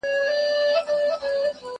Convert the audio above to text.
دا اوبه له هغه روښانه دي؟!